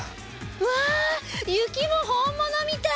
うわ雪も本物みたい！